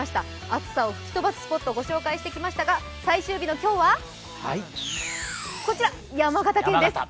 暑さを吹き飛ばすスポットご紹介してきましたが最終日の今日はこちら山形県です。